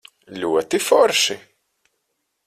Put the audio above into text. Ļoti forši?